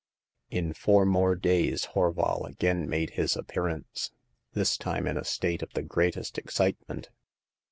In four more days Horval again made his appearance, this time in a state of the greatest excitement.